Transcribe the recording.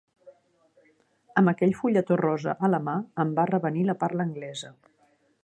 Amb aquell fulletó rosa a la mà em va revenir la parla anglesa.